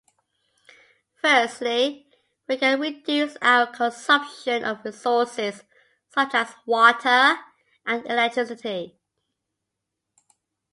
Firstly, we can reduce our consumption of resources such as water and electricity.